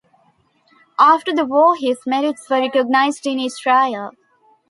After the war his merits were recognized in Israel.